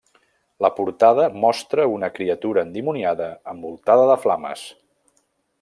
La portada mostra una criatura endimoniada envoltada de flames.